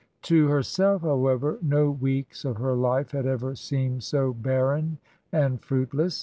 To herself, however, no weeks of her life had ever seemed so barren and fruitless.